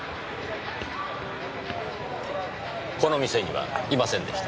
この店にはいませんでした。